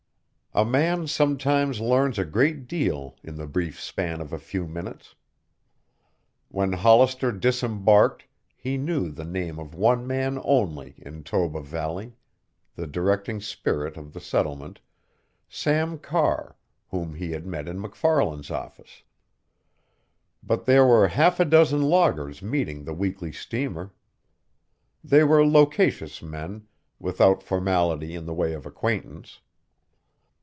A man sometimes learns a great deal in the brief span of a few minutes. When Hollister disembarked he knew the name of one man only in Toba Valley, the directing spirit of the settlement, Sam Carr, whom he had met in MacFarlan's office. But there were half a dozen loggers meeting the weekly steamer. They were loquacious men, without formality in the way of acquaintance.